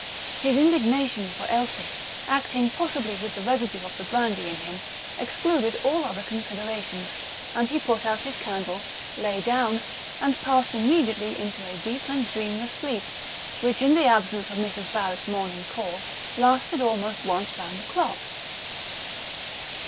His indignation for Elsie, acting possibly with the residue of the brandy in him, excluded all other considerations; and he put out his candle, lay down, and passed immediately into a deep and dreamless sleep, which, in the absence of Mrs. Barrett's morning call, lasted almost once round the clock.